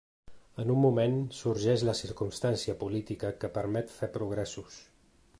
En un moment, sorgeix la circumstància política que permet fer progressos.